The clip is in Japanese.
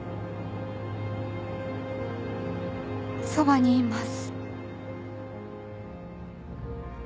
そばにいます。